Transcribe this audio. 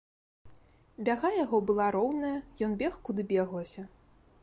Бяга яго была роўная, ён бег куды беглася.